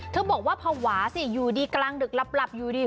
เขาบอกว่าภาวะสิอยู่ดีกลางดึกหลับอยู่ดี